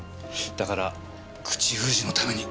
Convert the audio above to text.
だから口封じのために。